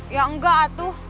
ya enggak atuh